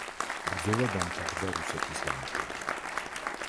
ბრძოლა დამთავრდა რუსეთის გამარჯვებით.